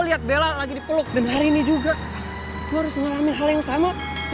lihat bella lagi dipeluk dan hari ini juga gue harus mengalami hal yang sama